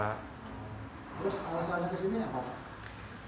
terus alasannya kesini apa pak